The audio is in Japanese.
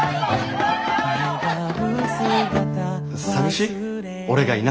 さみしい？